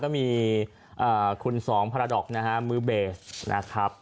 ก็มีคุณสองพาราดอกนะฮะมือเบสนะครับ